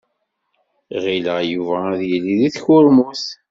Ɣileɣ Yuba ad yili deg tkurmut.